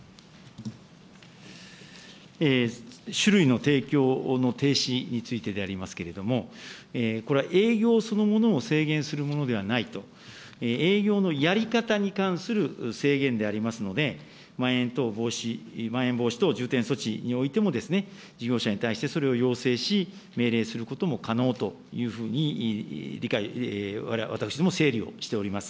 酒類の提供の停止についてでありますけれども、これは営業そのものを制限するものではないと、営業のやり方に関する制限でありますので、まん延防止等重点措置においても、事業者に対してそれを要請し、命令することも可能というふうに理解、私ども整理をしております。